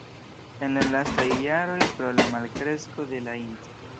En la lastaj jaroj pro la malkresko de la int.